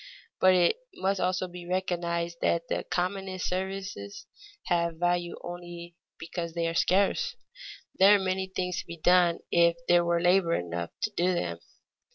But it must also be recognized that the commonest services have value only because they are scarce. There are many things to be done if there were labor enough to do them.